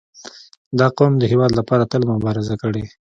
• دا قوم د هېواد لپاره تل مبارزه کړې.